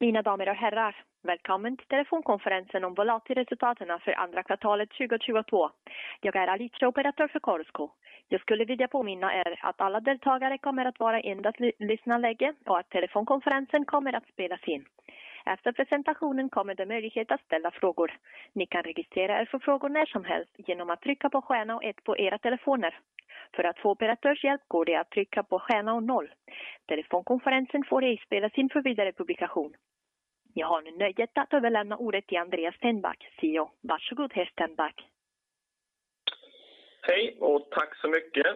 Mina damer och herrar, välkommen till telefonkonferensen om Volati-resultaten för andra kvartalet 2022. Jag är Alitra-operatör för Korsko. Jag skulle vilja påminna er att alla deltagare kommer att vara i endast lyssnarläge och att telefonkonferensen kommer att spelas in. Efter presentationen kommer det möjlighet att ställa frågor. Ni kan registrera er för frågor när som helst genom att trycka på stjärna och ett på era telefoner. För att få operatörshjälp går det att trycka på stjärna och noll. Telefonkonferensen får ej spelas in för vidare publikation. Jag har nu nöjet att överlämna ordet till Andreas Stenbäck, CEO. Varsågod herr Stenbäck. Hej och tack så mycket.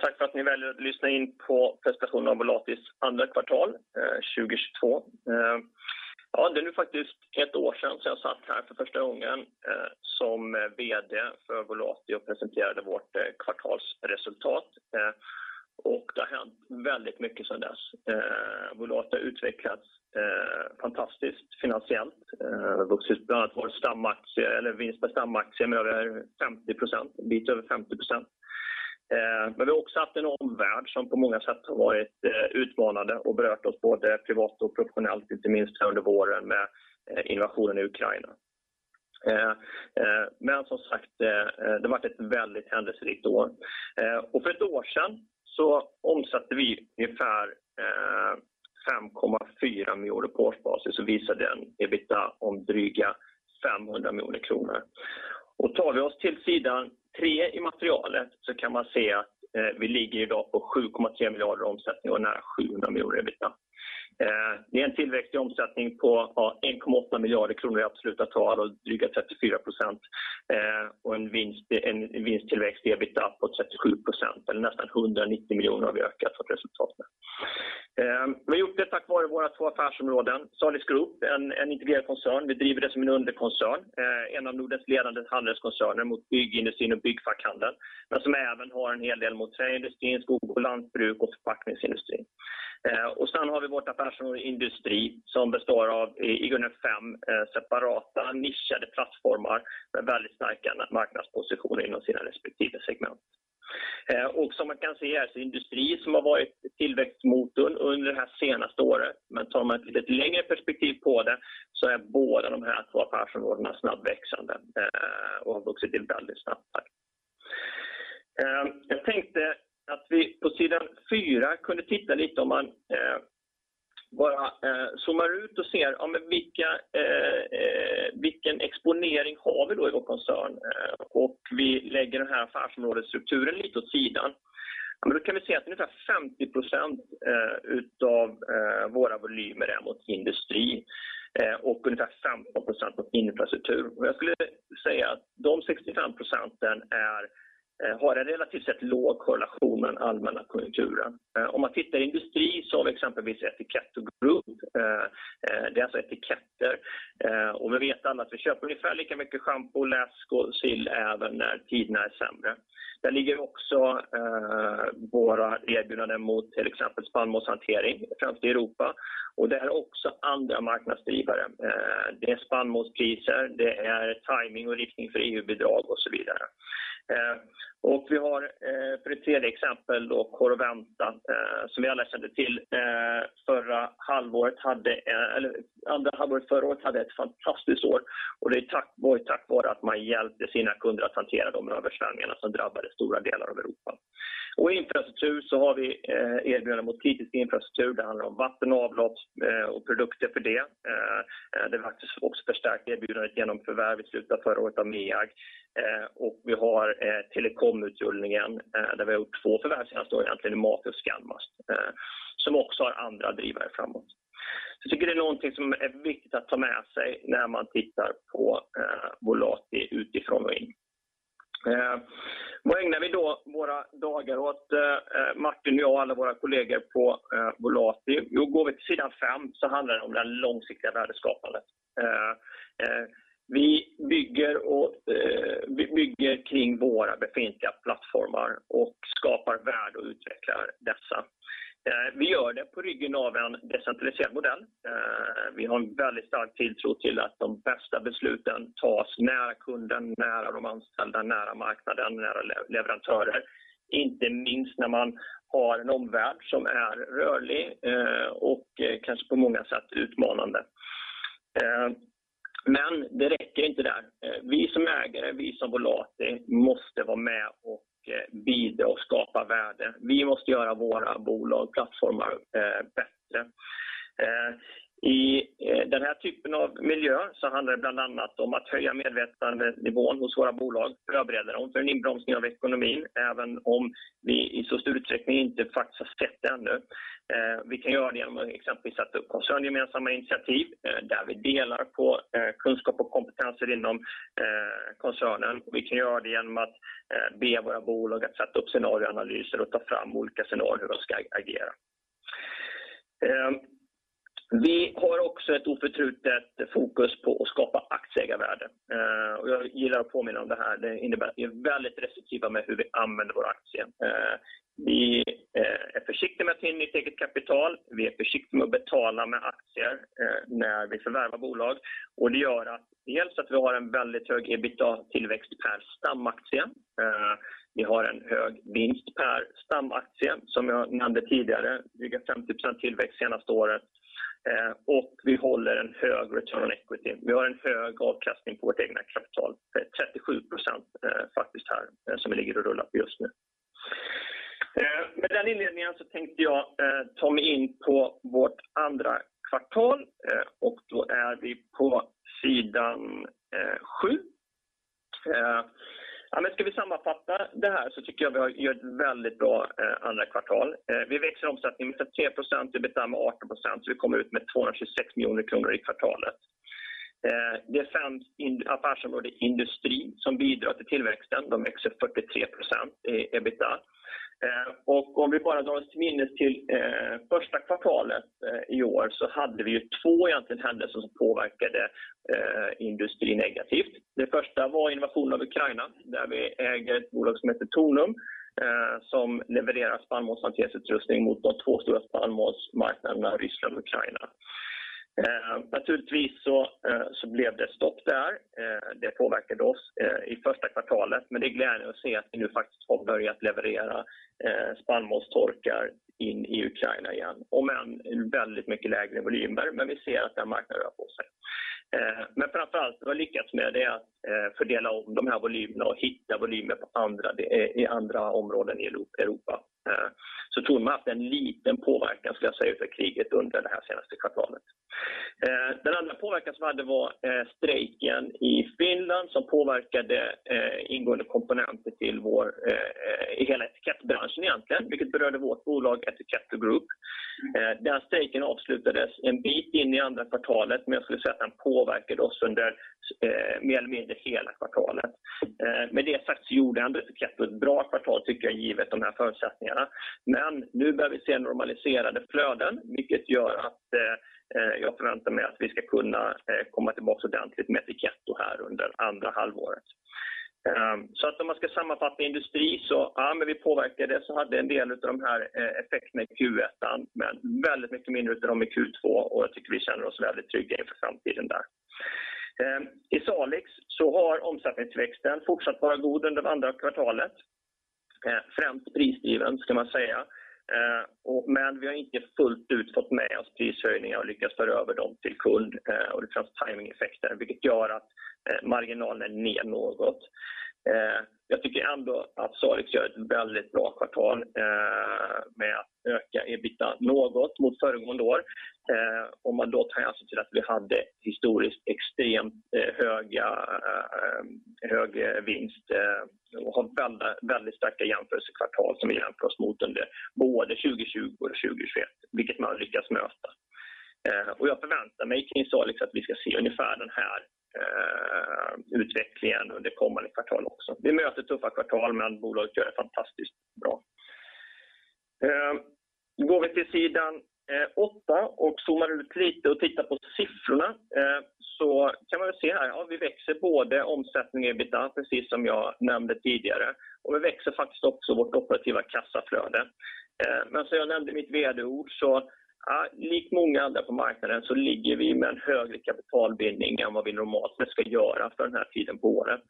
Tack för att ni väljer att lyssna in på presentationen av Volatis andra kvartal 2022. Det är nu faktiskt 1 år sedan jag satt här för första gången som vd för Volati och presenterade vårt kvartalsresultat. Det har hänt väldigt mycket sedan dess. Volati har utvecklats fantastiskt finansiellt. Vuxit bland annat vår stamaktie eller vinst per stamaktien med över 50%, en bit över 50%. Vi har också haft en omvärld som på många sätt har varit utmanande och berört oss både privat och professionellt, inte minst under våren med invasionen i Ukraina. Som sagt, det har varit ett väldigt händelserikt år. För 1 år sedan omsatte vi ungefär SEK 5.4 miljarder på årsbasis och visade en EBITDA om dryga SEK 500 miljoner. Tar vi oss till sidan tre i materialet så kan man se att vi ligger idag på SEK 7.3 miljarder omsättning och nära SEK 700 miljoner EBITDA. Det är en tillväxt i omsättning på ja, SEK 1.8 miljarder kronor i absoluta tal och dryga 34%. En vinsttillväxt EBITDA på 37%. Eller nästan SEK 190 miljoner har vi ökat vårt resultat med. Vi har gjort det tack vare våra två affärsområden. Salix Group, en integrerad koncern. Vi driver det som en underkoncern. En av Nordens ledande handelskoncerner mot byggindustrin och byggfackhandeln, men som även har en hel del mot träindustrin, skog och lantbruk och förpackningsindustrin. Sen har vi vårt affärsområde Industri som består av i grunden fem separata nischade plattformar med väldigt starka marknadspositioner inom sina respektive segment. Som man kan se är det Industri som har varit tillväxtmotorn under det här senaste året. Tar man ett lite längre perspektiv på det så är båda de här två affärsområdena snabbväxande och har vuxit väldigt snabbt här. Jag tänkte att vi på sidan fyra kunde titta lite om man bara zoomar ut och ser vilka, vilken exponering har vi då i vår koncern? Vi lägger den här affärsområdesstrukturen lite åt sidan. Då kan vi se att ungefär 50% av våra volymer är mot industri och ungefär 15% mot infrastruktur. Jag skulle säga att de 65% är, har en relativt sett låg korrelation med den allmänna konjunkturen. Om man tittar på industri så har vi exempelvis Ettiketto Group. Det är alltså etiketter. Vi vet alla att vi köper ungefär lika mycket schampo, läsk och sill även när tiderna är sämre. Där ligger också våra erbjudanden mot till exempel spannmålshantering i framför allt i Europa. Det är också andra marknadsdrivare. Det är spannmålspriser, det är tajming och riktning för EU-bidrag och så vidare. Vi har för det tredje exempel då Corroventa som vi alla känner till. Andra halvåret förra året hade ett fantastiskt år och det var tack vare att man hjälpte sina kunder att hantera de översvämningarna som drabbade stora delar av Europa. Infrastruktur så har vi erbjudande mot kritisk infrastruktur. Det handlar om vatten och avlopp och produkter för det. Det har vi faktiskt också förstärkt erbjudandet genom förvärvet i slutet av förra året av Meag. Vi har Telecom-utrullningen där vi har gjort två förvärv senaste åren, egentligen Mafi och Scanmast, som också har andra drivare framåt. Jag tycker det är någonting som är viktigt att ta med sig när man tittar på Volati utifrån och in. Vad ägnar vi då våra dagar åt, Martin och jag och alla våra kollegor på Volati? Jo, går vi till sidan fem så handlar det om det långsiktiga värdeskapandet. Vi bygger och bygger kring våra befintliga plattformar och skapar värde och utvecklar dessa. Vi gör det på ryggen av en decentraliserad modell. Vi har en väldigt stark tilltro till att de bästa besluten tas nära kunden, nära de anställda, nära marknaden, nära leverantörer. Inte minst när man har en omvärld som är rörlig och kanske på många sätt utmanande. Men det räcker inte där. Vi som ägare, vi som Volati, måste vara med och bidra och skapa värde. Vi måste göra våra bolag, plattformar bättre. I den här typen av miljö så handlar det bland annat om att höja medvetandenivån hos våra bolag, förbereda dem för en inbromsning av ekonomin, även om vi i så stor utsträckning inte faktiskt har sett det ännu. Vi kan göra det genom att exempelvis sätta upp koncerngemensamma initiativ där vi delar på kunskap och kompetenser inom koncernen. Vi kan göra det genom att be våra bolag att sätta upp scenarioanalyser och ta fram olika scenarier och ska agera. Vi har också ett oförtrutet fokus på att skapa aktieägarvärde. Och jag gillar att påminna om det här. Det innebär att vi är väldigt restriktiva med hur vi använder våra aktier. Vi är försiktiga med att ta in nytt eget kapital. Vi är försiktiga med att betala med aktier när vi förvärvar bolag. Det gör att dels att vi har en väldigt hög EBITDA-tillväxt per stamaktie. Vi har en hög vinst per stamaktie som jag nämnde tidigare, dryga 50% tillväxt senaste året. Vi håller en hög return on equity. Vi har en hög avkastning på vårt eget kapital, 37% faktiskt här som ligger och rullar just nu. Med den inledningen så tänkte jag ta mig in på vårt andra kvartal och då är vi på sidan sju. Ja men ska vi sammanfatta det här så tycker jag vi har gjort ett väldigt bra andra kvartal. Vi växer omsättningen med 33%, EBITDA med 18%. Vi kommer ut med SEK 226 miljoner i kvartalet. Det är främst affärsområde Industri som bidrar till tillväxten. De växer 43% i EBITDA. Om vi bara drar oss till minnes till första kvartalet i år så hade vi två egentligen händelser som påverkade Industri negativt. Det första var invasionen av Ukraina, där vi äger ett bolag som heter Tornum, som levererar spannmålshanteringsutrustning mot de två stora spannmålsmarknaderna Ryssland och Ukraina. Naturligtvis så blev det stopp där. Det påverkade oss i första kvartalet, men det är glädjande att se att vi nu faktiskt har börjat leverera spannmålstorkar in i Ukraina igen. Om än i väldigt mycket lägre volymer. Men vi ser att den marknaden rör på sig. Men framför allt, vi har lyckats med det att fördela om de här volymerna och hitta volymer på andra, i andra områden i Europa. Så Tornum har haft en liten påverkan skulle jag säga av kriget under det här senaste kvartalet. Den andra påverkan vi hade var strejken i Finland som påverkade ingående komponenter till vår, hela etikettbranschen egentligen, vilket berörde vårt bolag Ettiketto Group. Den strejken avslutades en bit in i andra kvartalet, men jag skulle säga att den påverkade oss under mer eller mindre hela kvartalet. Med det sagt så gjorde ändå Ettiketto ett bra kvartal tycker jag, givet de här förutsättningarna. Men nu börjar vi se normaliserade flöden, vilket gör att jag förväntar mig att vi ska kunna komma tillbaka ordentligt med Ettiketto här under andra halvåret. Så att om man ska sammanfatta Industri så ja men vi påverkades och hade en del av de här effekterna i Q1. Men väldigt mycket mindre utav dem i Q2 och jag tycker vi känner oss väldigt trygga inför framtiden där. I Salix så har omsättningsväxten fortsatt vara god under andra kvartalet. Främst prisdriven ska man säga. Vi har inte fullt ut fått med oss prishöjningar och lyckats föra över dem till kund och det finns timingeffekter, vilket gör att marginalen är ner något. Jag tycker ändå att Salix gör ett väldigt bra kvartal med att öka EBITDA något mot föregående år. Om man då tar hänsyn till att vi hade historiskt extremt höga, hög vinst och har väldigt starka jämförelsekvartal som vi jämför oss mot under både 2020 och 2021, vilket man lyckas möta. Jag förväntar mig kring Salix att vi ska se ungefär den här utvecklingen under kommande kvartal också. Vi möter tuffa kvartal, men bolaget gör det fantastiskt bra. Går vi till sidan 8 och zoomar ut lite och tittar på siffrorna. Kan man väl se här, ja vi växer både omsättning och EBITDA, precis som jag nämnde tidigare. Vi växer faktiskt också vårt operativa kassaflöde. Som jag nämnde i mitt VD-ord så, ja likt många andra på marknaden så ligger vi med en högre kapitalbindning än vad vi normalt sett ska göra för den här tiden på året.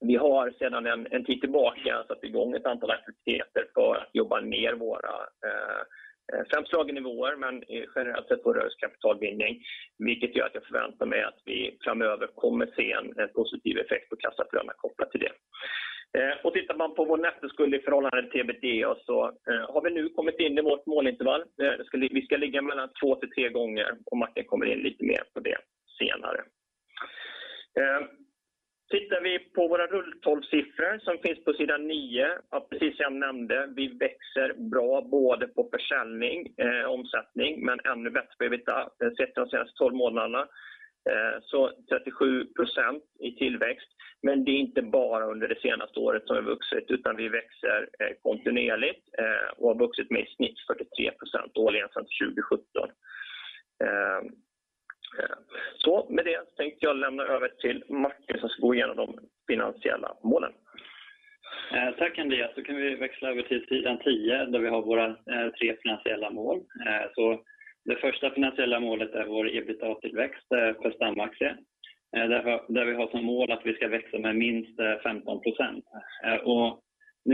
Vi har sedan en tid tillbaka satt igång ett antal aktiviteter för att jobba ner våra framslagna nivåer, men generellt sett vår rörelsekapitalbindning, vilket gör att jag förväntar mig att vi framöver kommer se en positiv effekt på kassaflödena kopplat till det. Tittar man på vår nettoskuld i förhållande till EBITDA så har vi nu kommit in i vårt målintervall. Vi ska ligga mellan 2 till 3 gånger och Martin kommer in lite mer på det senare. Tittar vi på våra rull-12-siffror som finns på sidan 9. Ja precis som jag nämnde, vi växer bra både på försäljning, omsättning, men ännu bättre EBITDA sett de senaste 12 månaderna. 37% i tillväxt. Det är inte bara under det senaste året som vi vuxit, utan vi växer kontinuerligt och har vuxit med i snitt 43% årligen sedan 2017. Med det tänkte jag lämna över till Martin som ska gå igenom de finansiella målen. Tack Andreas. Kan vi växla över till sidan 10 där vi har våra tre finansiella mål. Det första finansiella målet är vår EBITDA-tillväxt per stamaktie. Där vi har som mål att vi ska växa med minst 15%.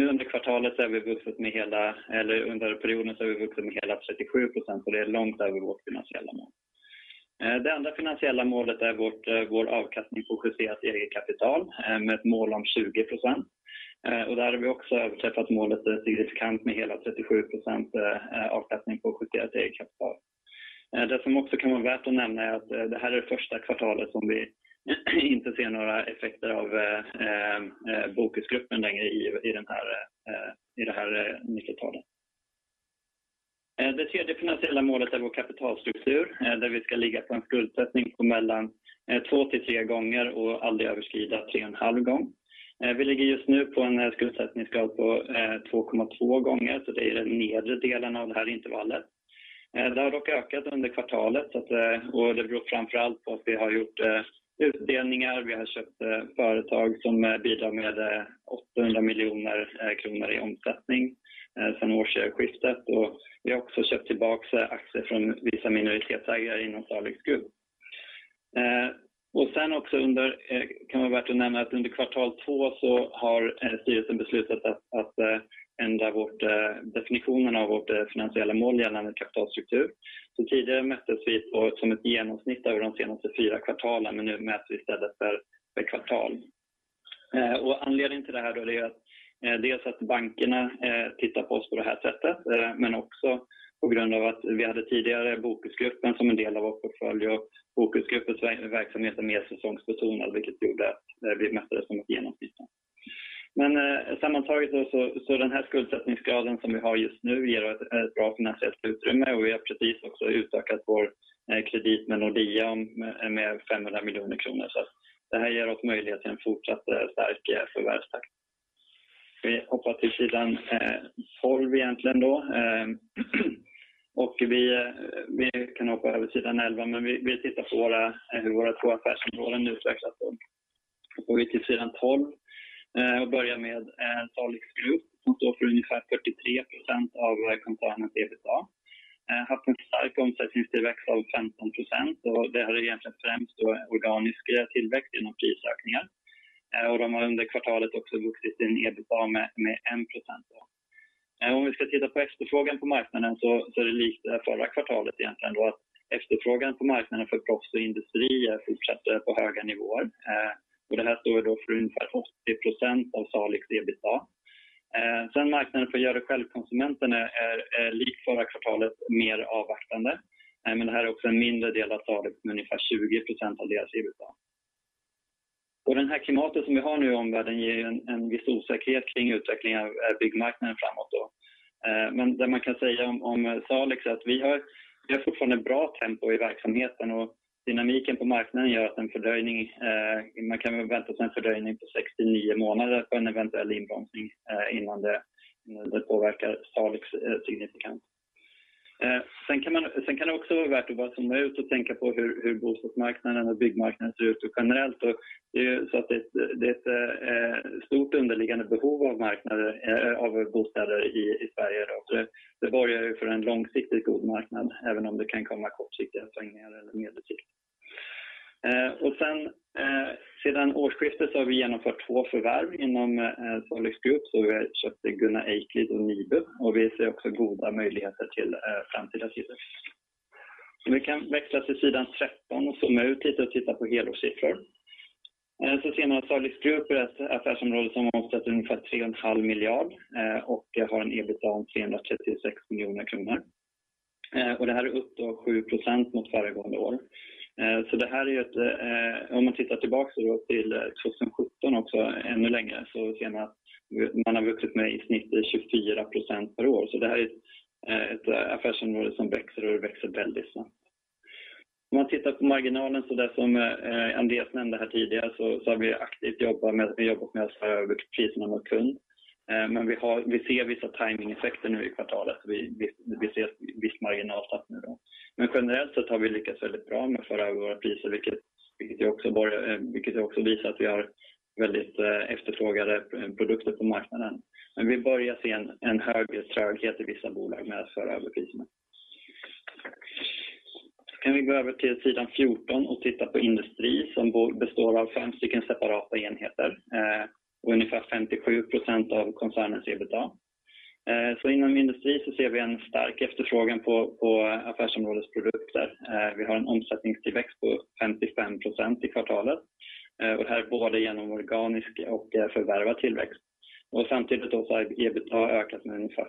Under perioden så har vi vuxit med hela 37% och det är långt över vårt finansiella mål. Det andra finansiella målet är vår avkastning på justerat eget kapital med ett mål om 20%. Där har vi också överträffat målet signifikant med hela 37% avkastning på justerat eget kapital. Det som också kan vara värt att nämna är att det här är det första kvartalet som vi inte ser några effekter av Bokusgruppen längre i det här nyckeltalet. Det tredje finansiella målet är vår kapitalstruktur, där vi ska ligga på en skuldsättning på mellan 2-3 gånger och aldrig överskrida 3.5 gånger. Vi ligger just nu på en skuldsättningsgrad på 2.2 gånger, så det är den nedre delen av det här intervallet. Det har dock ökat under kvartalet och det beror framför allt på att vi har gjort utdelningar. Vi har köpt företag som bidrar med SEK 800 miljoner kronor i omsättning sen årsskiftet. Vi har också köpt tillbaka aktier från vissa minoritetsägare inom Salix Group. Sen också kan vara värt att nämna att under kvartal två så har styrelsen beslutat att ändra vår definition av vårt finansiella mål gällande kapitalstruktur. Tidigare mättes vi på, som ett genomsnitt över de senaste 4 kvartalen, men nu mäter vi istället per kvartal. Anledningen till det här då är att dels att bankerna tittar på oss på det här sättet, men också på grund av att vi hade tidigare Bokusgruppen som en del av vårt portfölj. Bokusgruppens verksamhet är mer säsongsbetonad, vilket gjorde att vi mättades som ett genomsnitt. Sammantaget då så den här skuldsättningsgraden som vi har just nu ger ett bra finansiellt utrymme. Vi har precis också utökat vår kredit med Nordea med SEK 500 miljoner. Det här ger oss möjlighet till en fortsatt stark förvärvstakt. Vi hoppar till sidan 12 egentligen då. Vi kan hoppa över sidan 11, men vi tittar på våra, hur våra två affärsområden utvecklat då. Till sidan 12 och börja med Salix Group som står för ungefär 43% av koncernens EBITDA. haft en stark omsättningstillväxt av 15% och det här är egentligen främst då organisk tillväxt genom prisökningar. De har under kvartalet också vuxit sin EBITDA med 1% då. Om vi ska titta på efterfrågan på marknaden så är det likt förra kvartalet egentligen då att efterfrågan på marknaden för proffs och industri fortsätter på höga nivåer. Det här står då för ungefär 80% av Salix EBITDA. Sen marknaden för gör-det-själv-konsumenterna är likt förra kvartalet mer avvaktande. Det här är också en mindre del av Salix med ungefär 20% av deras EBITDA. Det här klimatet som vi har nu i omvärlden ger en viss osäkerhet kring utvecklingen av byggmarknaden framåt då. Det man kan säga om Salix är att vi har fortfarande bra tempo i verksamheten och dynamiken på marknaden gör att en fördröjning, man kan väl vänta sig en fördröjning på 6-9 månader på en eventuell inbromsning innan det påverkar Salix signifikant. Det kan också vara värt att bara zooma ut och tänka på hur bostadsmarknaden och byggmarknaden ser ut generellt. Det är ju så att det är ett stort underliggande behov på marknaderna av bostäder i Sverige. Det borgar för en långsiktigt god marknad, även om det kan komma kortsiktiga svängningar eller medelsikt. Sedan årsskiftet har vi genomfört 2 förvärv inom Salix Group. Vi har köpt Gunnar Eiklid och Nibu. Vi ser också goda möjligheter till framtida tillväxt. Vi kan växla till sidan 13 och zooma ut lite och titta på helårssiffror. Ser man att Salix Group, det affärsområdet som omsätter ungefär SEK 3.5 miljard och har en EBITDA om 336 miljoner kronor. Det här är upp 7% mot föregående år. Det här är ju ett, om man tittar tillbaka då till 2017 också ännu längre, så ser man att man har vuxit med i snitt 24% per år. Det här är ett affärsområde som växer och det växer väldigt snabbt. Om man tittar på marginalen så där som Andreas nämnde här tidigare så har vi aktivt jobbat med, vi jobbar med att föra över priserna mot kund. Vi har, vi ser vissa tajmingeffekter nu i kvartalet. Vi ser ett visst marginaltapp nu då. Generellt sett har vi lyckats väldigt bra med att föra över våra priser. Vilket också visar att vi har väldigt efterfrågade produkter på marknaden. Vi börjar se en högre tröghet i vissa bolag med att föra över priserna. Kan vi gå över till sidan 14 och titta på industri som består av 5 stycken separata enheter och ungefär 57% av koncernens EBITDA. Inom industri ser vi en stark efterfrågan på affärsområdets produkter. Vi har en omsättningstillväxt på 55% i kvartalet. Det här är både genom organisk och förvärvad tillväxt. Samtidigt har EBITDA ökat med ungefär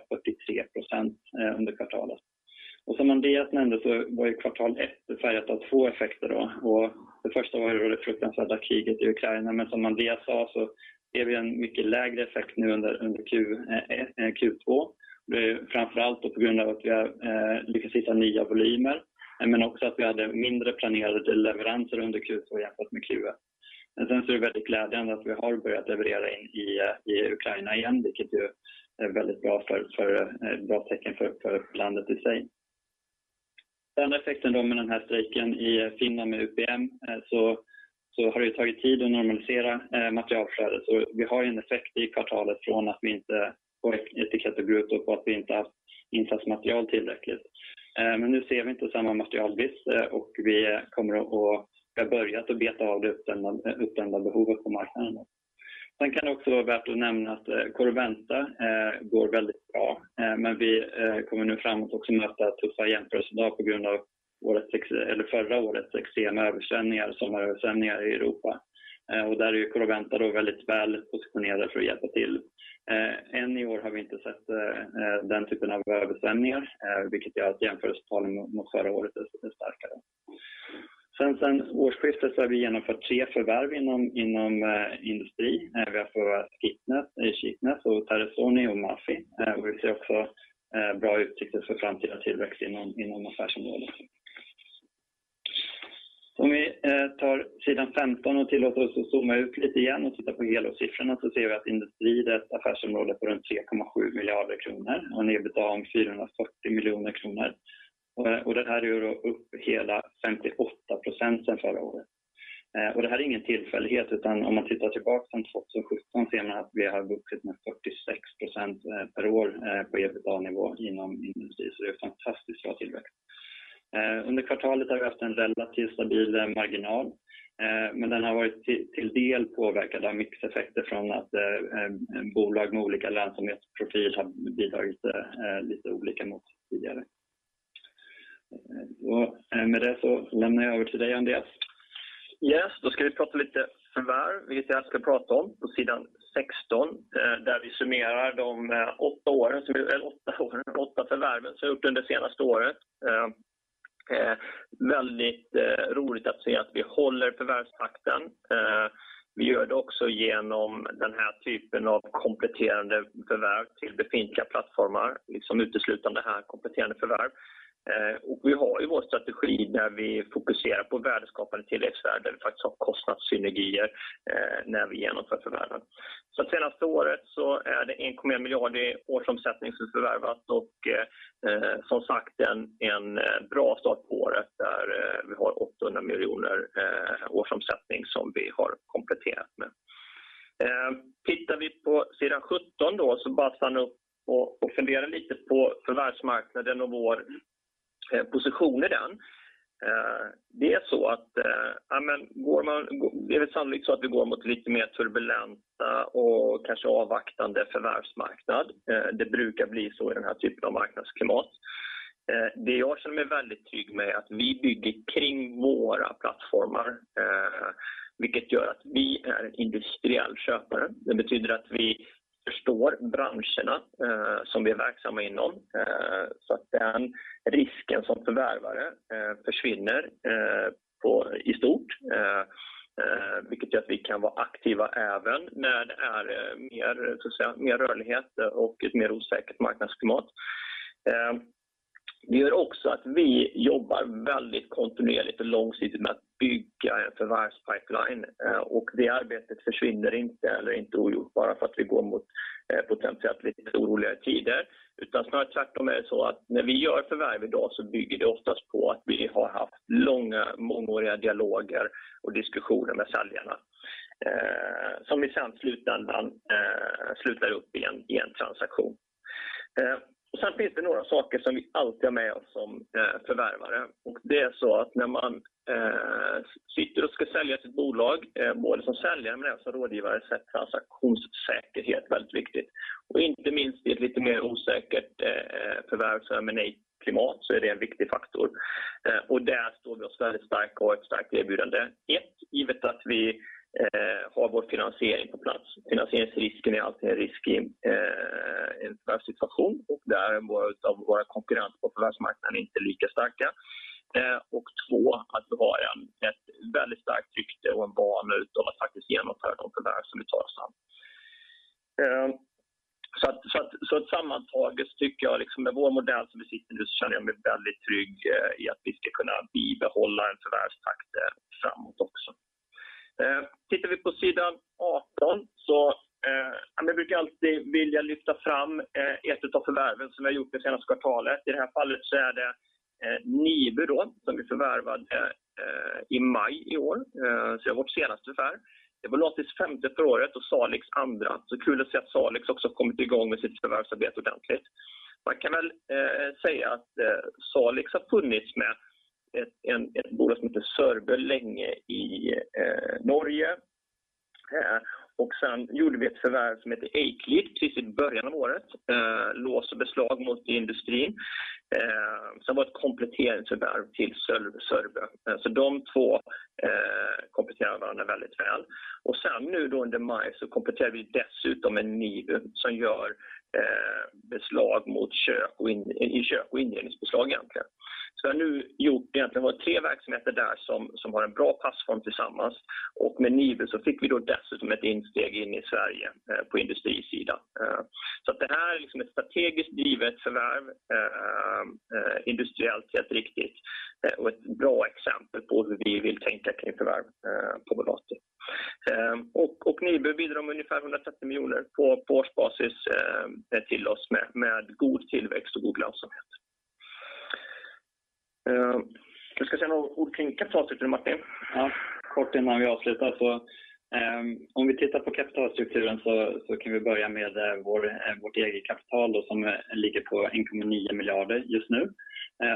73% under kvartalet. Som Andreas nämnde var kvartal ett färgat av två effekter. Det första var det fruktansvärda kriget i Ukraina. Som Andreas sa så ser vi en mycket lägre effekt nu under Q1, Q2. Det är framför allt då på grund av att vi har lyckats hitta nya volymer, men också att vi hade mindre planerade leveranser under Q2 jämfört med Q1. Sen så är det väldigt glädjande att vi har börjat leverera in i Ukraina igen, vilket ju är väldigt bra. Bra tecken för landet i sig. Den andra effekten då med den här strejken i Finland med UPM har det tagit tid att normalisera materialflödet. Vi har ju en effekt i kvartalet från att vi inte haft insatsmaterial tillräckligt. Nu ser vi inte samma materialbrist och vi har börjat att beta av det uppdämda behovet på marknaden. Kan det också vara värt att nämna att Corroventa går väldigt bra, men vi kommer nu framåt också möta tuffa jämförelsesiffror på grund av förra årets extrema översvämningar, sommaröversvämningar i Europa. Där är Corroventa då väldigt väl positionerade för att hjälpa till. Ännu i år har vi inte sett den typen av översvämningar, vilket gör att jämförelsetalen mot förra året är starkare. Årsskiftet så har vi genomfört 3 förvärv inom industri. Vi har förvärvat Skipnes och Terästorni och Mafi. Vi ser också bra utsikter för framtida tillväxt inom affärsområdet. Om vi tar sidan 15 och tillåter oss att zooma ut lite igen och titta på helårssiffrorna så ser vi att industri, det affärsområdet på runt SEK 3.7 miljarder har en EBITDA om SEK 470 miljoner. Det här är ju då upp hela 58% sen förra året. Det här är ingen tillfällighet, utan om man tittar tillbaka från 2017 ser man att vi har vuxit med 46% per år på EBITDA-nivå inom industri. Det är fantastiskt bra tillväxt. Under kvartalet har vi haft en relativt stabil marginal, men den har varit till del påverkad av mixeffekter från att bolag med olika lönsamhetsprofil har bidragit lite olika mot tidigare. Med det lämnar jag över till dig Andreas. Yes, ska vi prata lite förvärv, vilket jag ska prata om på sidan 16, där vi summerar åtta förvärven som vi har gjort under det senaste året. Väldigt roligt att se att vi håller förvärvstakten. Vi gör det också genom den här typen av kompletterande förvärv till befintliga plattformar, liksom uteslutande här kompletterande förvärv. Och vi har ju vår strategi där vi fokuserar på värdeskapande tilläggsvärde där vi faktiskt har kostnadssynergier, när vi genomför förvärven. Det senaste året är det SEK 1.1 miljard i årsomsättning som förvärvas och, som sagt, en bra start på året där vi har SEK 800 miljoner årsomsättning som vi har kompletterat med. Tittar vi på sidan 17 så passar jag på och funderar lite på förvärvsmarknaden och vår position i den. Det är väl sannolikt så att vi går mot lite mer turbulenta och kanske avvaktande förvärvsmarknad. Det brukar bli så i den här typen av marknadsklimat. Det jag känner mig väldigt trygg med är att vi bygger kring våra plattformar, vilket gör att vi är en industriell köpare. Det betyder att vi förstår branscherna som vi är verksamma inom. Så att den risken som förvärvare försvinner i stort. Vilket gör att vi kan vara aktiva även när det är mer, så att säga, mer rörlighet och ett mer osäkert marknadsklimat. Det gör också att vi jobbar väldigt kontinuerligt och långsiktigt med att bygga en förvärvspipeline. Det arbetet försvinner inte eller är inte ogjort bara för att vi går mot potentiellt lite oroliga tider. Utan snarare tvärtom är det så att när vi gör förvärv idag så bygger det oftast på att vi har haft långa mångåriga dialoger och diskussioner med säljarna. Som vi sen i slutändan slutar upp i en transaktion. Sen finns det några saker som vi alltid har med oss som förvärvare. Det är så att när man sitter och ska sälja sitt bolag, både som säljare men även som rådgivare, så är transaktionssäkerhet väldigt viktigt. Inte minst i ett lite mer osäkert förvärvsklimat så är det en viktig faktor. Där står vi oss väldigt starkt och har ett starkt erbjudande. Givet att vi har vår finansiering på plats. Finansieringsrisken är alltid en risk i en förvärvssituation och där är många av våra konkurrenter på förvärvsmarknaden inte lika starka. 2, att vi har ett väldigt starkt rykte och en vana utav att faktiskt genomföra de förvärv som vi tar oss an. Så att sammantaget tycker jag liksom med vår modell som vi sitter i nu så känner jag mig väldigt trygg i att vi ska kunna bibehålla en förvärvstakt framåt också. Tittar vi på sidan 18 så. Ja men jag brukar alltid vilja lyfta fram ett utav förvärven som vi har gjort det senaste kvartalet. I det här fallet så är det Nibu då som vi förvärvade i maj i år. Så det är vårt senaste förvärv. Det var Ettikettos femte för året och Salix andra. Kul att se att Salix också kommit i gång med sitt förvärvsarbete ordentligt. Man kan väl säga att Salix har funnits med ett bolag som heter Sørbø länge i Norge. Sen gjorde vi ett förvärv som heter Gunnar Eiklid precis i början av året. Lås och beslag mot industrin. Sen var det ett kompletteringsförvärv till Sørbø. De två kompletterar varandra väldigt väl. Sen nu under maj kompletterar vi dessutom med Nibu som gör beslag mot kök och i kök och inredningsbeslag egentligen. Jag har nu gjort tre verksamheter där som har en bra passform tillsammans. Med Nibu fick vi då dessutom ett insteg in i Sverige på industrisidan. Det här är ett strategiskt drivet förvärv. Industriellt helt rätt och ett bra exempel på hur vi vill tänka kring förvärv på Volati. Nibu bidrar med ungefär SEK 130 miljoner på årsbasis till oss med god tillväxt och god lönsamhet. Du ska säga några ord kring kapitalstrukturen, Martin. Kort innan vi avslutar. Om vi tittar på kapitalstrukturen så kan vi börja med vårt eget kapital då som ligger på SEK 1.9 billion just nu,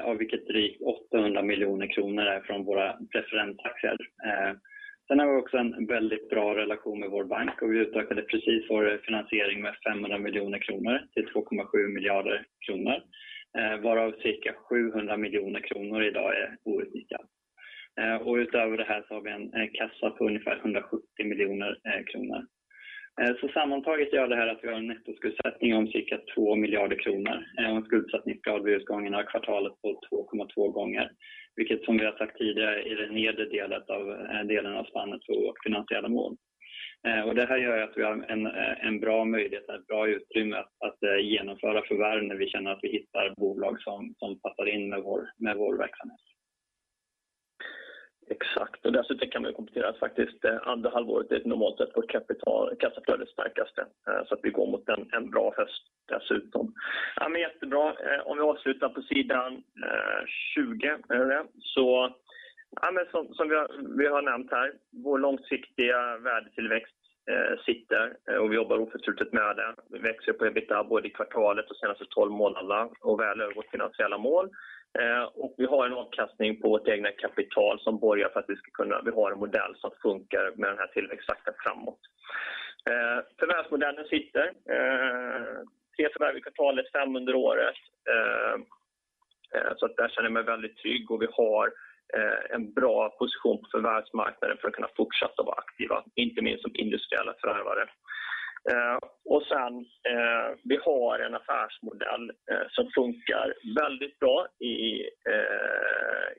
av vilket drygt SEK 800 million är från våra preferentaktieägare. Sen har vi också en väldigt bra relation med vår bank och vi utökade precis vår finansiering med SEK 500 million till SEK 2.7 billion, varav cirka SEK 700 million i dag är outnyttjad. Utöver det här så har vi en kassa på ungefär SEK 170 million. Sammantaget gör det här att vi har en nettoskuldsättning om cirka SEK 2 billion. En skuldsättningsgrad vid utgången av kvartalet på 2.2x, vilket som vi har sagt tidigare är i den nedre delen av spannet på vårt finansiella mål. Det här gör ju att vi har en bra möjlighet, ett bra utrymme att genomföra förvärv när vi känner att vi hittar bolag som passar in med vår verksamhet. Exakt. Dessutom kan man komplettera att faktiskt andra halvåret är normalt sett vårt kassaflödesstarkaste. Vi går mot en bra höst dessutom. Ja, men jättebra. Om vi avslutar på sidan 20 är det det. Ja men som vi har nämnt här, vår långsiktiga värdetillväxt sitter och vi jobbar oförtrutet med den. Vi växer på EBITDA både i kvartalet och senaste 12 månaderna och väl över vårt finansiella mål. Vi har en avkastning på vårt egna kapital som borgar för att vi ska kunna, vi har en modell som funkar med den här tillväxttakten framåt. Förvärvsmodellen sitter, 3 förvärv i kvartalet, 5 under året. Där känner jag mig väldigt trygg och vi har en bra position på förvärvsmarknaden för att kunna fortsätta vara aktiva, inte minst som industriella förvärvare. Vi har en affärsmodell som funkar väldigt bra i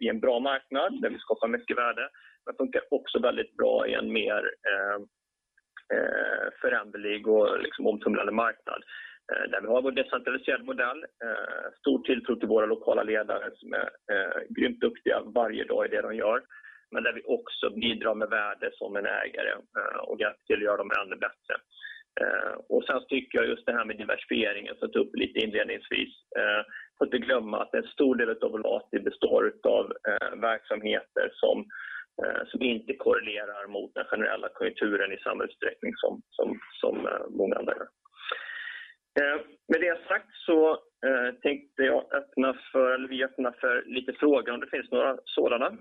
en bra marknad där vi skapar mycket värde. Den funkar också väldigt bra i en mer föränderlig och liksom omtumlande marknad. Där vi har vår decentraliserade modell, stor tilltro till våra lokala ledare som är grymt duktiga varje dag i det de gör, men där vi också bidrar med värde som en ägare och gärna till att göra dem ännu bättre. Tycker jag just det här med diversifieringen jag satte upp lite inledningsvis. Får inte glömma att en stor del av Volati består utav verksamheter som inte korrelerar mot den generella konjunkturen i samma utsträckning som många andra gör. Med det sagt så tänkte jag öppna för, eller vi öppnar för lite frågor om det finns några sådana.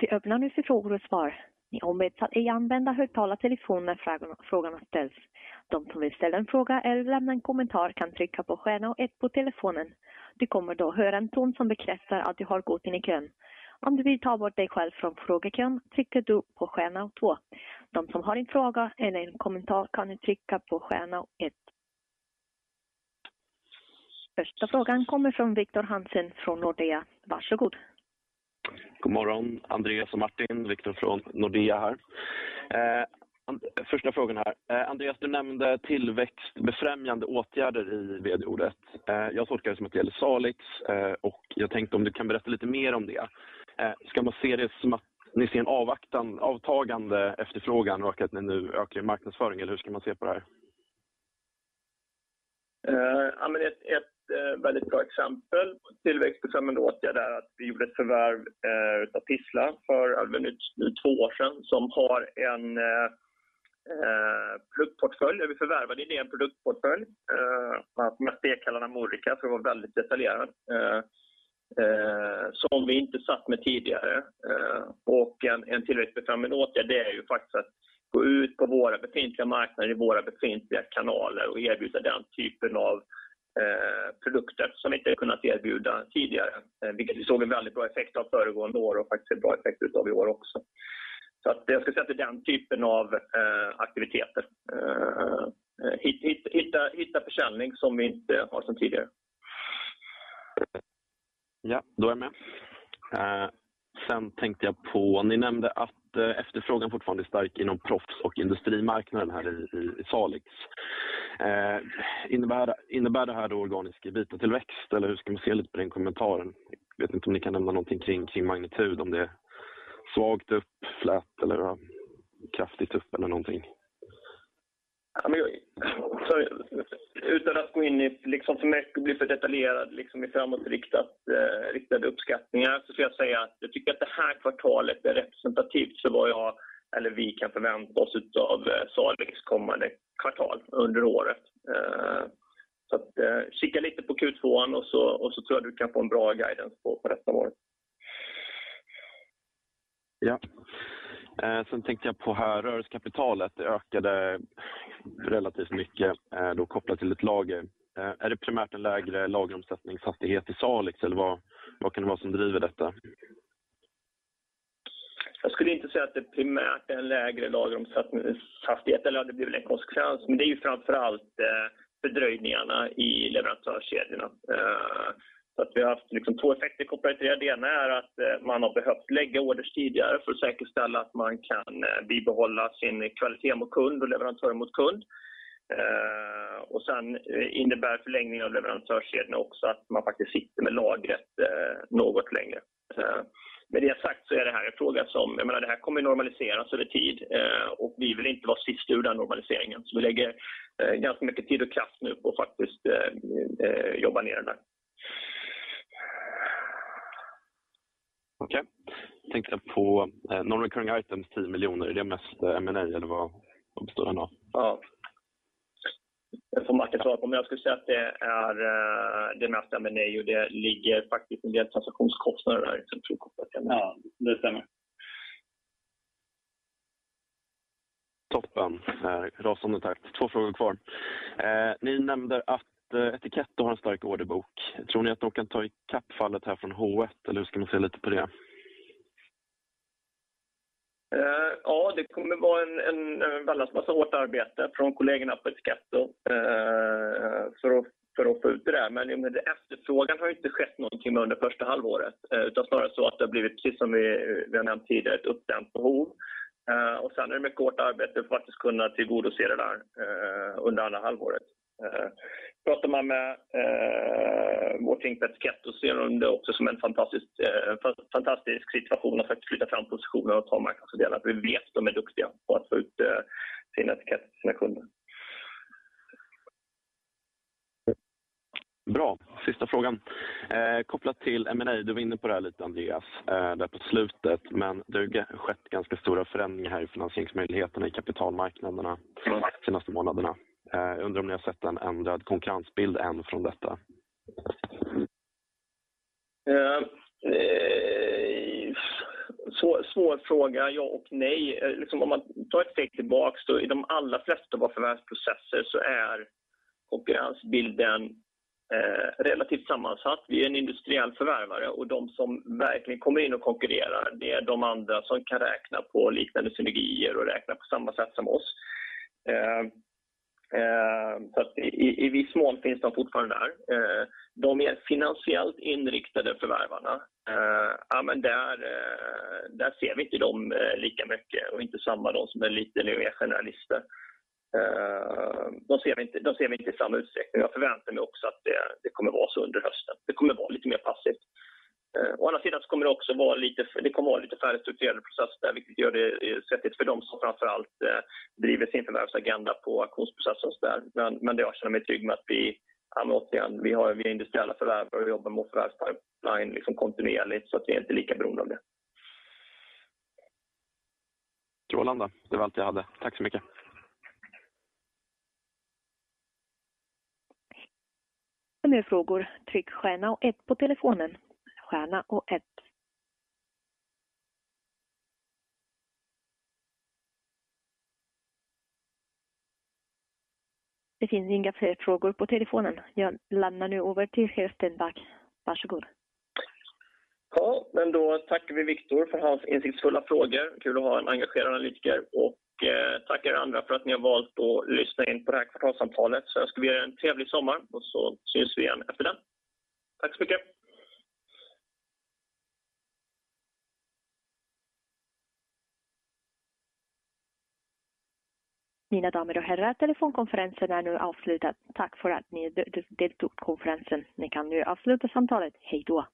Vi öppnar nu för frågor och svar. Ni ombeds att ej använda högtalartelefon när frågan ställs. De som vill ställa en fråga eller lämna en kommentar kan trycka på stjärna och ett på telefonen. Du kommer då höra en ton som bekräftar att du har gått in i kön. Om du vill ta bort dig själv från frågekön trycker du på stjärna och två. De som har en fråga eller en kommentar kan nu trycka på stjärna och ett. Första frågan kommer från Viktor Hansen från Nordea. Varsågod. God morgon, Andreas och Martin. Viktor Hansen från Nordea här. Första frågan här. Andreas, du nämnde tillväxtbefrämjande åtgärder i vd-ordet. Jag tolkar det som att det gäller Salix och jag tänkte om du kan berätta lite mer om det. Ska man se det som att ni ser en avvaktan, avtagande efterfrågan och att ni nu ökar marknadsföringen? Eller hur ska man se på det här? Ett väldigt bra exempel på tillväxtbefrämjande åtgärder är att vi gjorde ett förvärv utav Tissla alldeles nyligen, 2 år sedan, som har en produktportfölj. Vi förvärvade en hel produktportfölj med stekpannor och morötter för att vara väldigt detaljerad, som vi inte satt med tidigare. En tillväxtbefrämjande åtgärd, det är ju faktiskt att gå ut på våra befintliga marknader i våra befintliga kanaler och erbjuda den typen av produkter som vi inte kunnat erbjuda tidigare. Vilket vi såg en väldigt bra effekt av föregående år och faktiskt ser bra effekt utav i år också. Jag skulle säga att det är den typen av aktiviteter. Hitta försäljning som vi inte har sen tidigare. Ja, då är jag med. Tänkte jag på, ni nämnde att efterfrågan fortfarande är stark inom proffs- och industrimarknaden här i Salix. Innebär det här då organisk EBITDA-tillväxt? Eller hur ska man se lite på den kommentaren? Jag vet inte om ni kan nämna någonting kring magnitud, om det är svagt upp, flat eller kraftigt upp eller någonting. Utan att gå in i liksom för mycket och bli för detaljerad liksom i framåtriktat, riktade uppskattningar, får jag säga att jag tycker att det här kvartalet är representativt för vad jag eller vi kan förvänta oss utav Salix kommande kvartal under året. Kika lite på Q2 och så tror jag du kan få en bra guidance på resten av året. Ja. Sen tänkte jag på här rörelsekapitalet. Det ökade relativt mycket då kopplat till ett lager. Är det primärt en lägre lageromsättningshastighet i Salix eller vad kan det vara som driver detta? Jag skulle inte säga att det primärt är en lägre lageromsättningshastighet eller har det blivit en konsekvens, men det är ju framför allt fördröjningarna i leverantörskedjorna. Så att vi har haft liksom två effekter kopplat till det. Det ena är att man har behövt lägga orders tidigare för att säkerställa att man kan bibehålla sin kvalitet mot kund och leverantör mot kund. Och sen innebär förlängning av leverantörskedjorna också att man faktiskt sitter med lagret något längre. Med det sagt så är det här en fråga som, jag menar, det här kommer normaliseras över tid och vi vill inte vara sist ur den normaliseringen. Så vi lägger ganska mycket tid och kraft nu på att faktiskt jobba ner den där. Okej. Tänkte jag på non-recurring items SEK 10 miljoner. Är det mest M&A eller vad består den av? Ja, det får Martin svara på, men jag skulle säga att det är det mesta M&A och det ligger faktiskt en del transaktionskostnader där. Ja, det stämmer. Toppen. Rasande tack. Två frågor kvar. Ni nämnde att Ettiketto har en stark orderbok. Tror ni att de kan ta ikapp fallet här från H1 eller hur ska man se lite på det? Ja, det kommer vara en väldans massa hårt arbete från kollegorna på Ettiketto för att få ut det där. Men efterfrågan har ju inte skett någonting under första halvåret, utan snarare så att det har blivit, liksom vi har nämnt tidigare, ett uppdämt behov. Sen är det mycket hårt arbete för att kunna tillgodose det där under andra halvåret. Pratar man med vårt team för Skipnes ser de det också som en fantastisk situation att faktiskt flytta fram positionerna och ta marknadsandelar. Vi vet de är duktiga på att få ut sina kunder. Bra. Sista frågan. Kopplat till M&A, du var inne på det här lite Andreas, där på slutet, men det har ju skett ganska stora förändringar här i finansieringsmöjligheten i kapitalmarknaderna de senaste månaderna. Undrar om ni har sett en ändrad konkurrensbild än från detta? Svår fråga, ja och nej. Liksom om man tar ett steg tillbaka då i de allra flesta av våra förvärvsprocesser så är konkurrensbilden relativt sammansatt. Vi är en industriell förvärvare och de som verkligen kommer in och konkurrerar, det är de andra som kan räkna på liknande synergier och räkna på samma sätt som oss. Så att i viss mån finns de fortfarande där. De mer finansiellt inriktade förvärvarna. Ja men där ser vi inte dem lika mycket och inte samma dem som är lite mer generalister. Dem ser vi inte i samma utsträckning. Jag förväntar mig också att det kommer vara så under hösten. Det kommer vara lite mer passivt. Det kommer vara lite färre strukturerade processer, vilket gör det svettigt för de som framför allt driver sin förvärvsagenda på auktionsprocess och sådär. Det känner jag mig trygg med att vi återigen är industriella förvärvare. Vi jobbar med förvärvspipeline liksom kontinuerligt så att vi inte är lika beroende av det. Roland då. Det var allt jag hade. Tack så mycket. För mer frågor, tryck stjärna och ett på telefonen. Stjärna och ett. Det finns inga fler frågor på telefonen. Jag lämnar nu över till Chef Stenbäck. Varsågod. Men då tackar vi Viktor för hans insiktsfulla frågor. Kul att ha en engagerad analytiker och tack er andra för att ni har valt att lyssna in på det här kvartalssamtalet. Vi ska önska er en trevlig sommar och så syns vi igen efter den. Tack så mycket. Mina damer och herrar, telefonkonferensen är nu avslutad. Tack för att ni deltog på konferensen. Ni kan nu avsluta samtalet. Hej då!